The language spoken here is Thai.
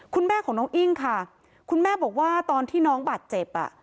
คุณแม่ของน้องอิ้งค่ะคุณแม่บอกว่าตอนที่น้องบาดเจ็บอ่ะ